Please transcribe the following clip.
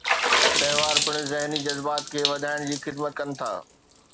تہوار پڻ ذھني جذبات کي وڌائڻ جي خدمت ڪن ٿا.